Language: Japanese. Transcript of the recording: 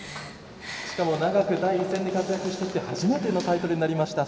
しかも長く第一線で活躍してきて初めてのタイトルになりました